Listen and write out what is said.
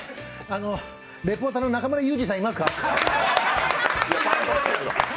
リポーターの中村ゆうじさんいますか？